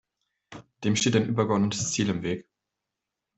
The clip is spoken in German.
Dem steht ein übergeordnetes Ziel im Weg.